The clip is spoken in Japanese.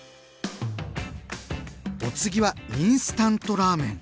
お次はインスタントラーメン！